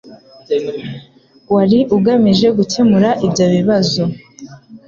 wari ugamije gukemura ibyo bibazo